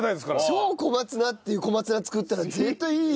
超小松菜っていう小松菜作ったら絶対いい。